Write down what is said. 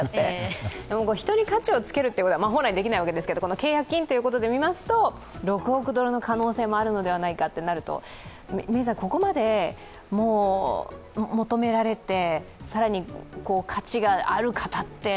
人に価値をつけるっていうのは本来できないわけですけれども契約金ということで見ますと６億ドルの可能性もあるのではと考えるとここまで求められて、更に価値がある方って。